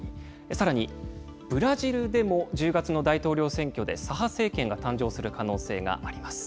さらにブラジルでも、１０月の大統領選挙で左派政権が誕生する可能性があります。